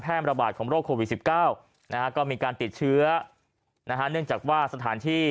ระบาดของโรคโควิด๑๙นะฮะก็มีการติดเชื้อนะฮะเนื่องจากว่าสถานที่